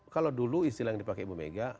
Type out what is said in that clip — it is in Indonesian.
kalau dulu istilah yang dipakai ibu mega